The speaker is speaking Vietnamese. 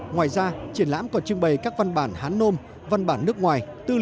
ngoài ra triển lãm còn trưng bày các văn bản hán nôm văn bản nước ngoài